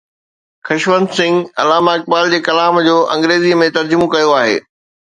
خشونت سنگهه علامه اقبال جي ڪلام جو انگريزيءَ ۾ ترجمو ڪيو آهي.